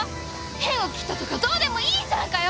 縁を切ったとかどうでもいいじゃんかよ！